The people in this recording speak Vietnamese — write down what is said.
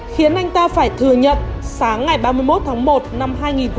khiến anh ta phải thừa nhận sáng ngày ba mươi một tháng một năm hai nghìn một mươi chín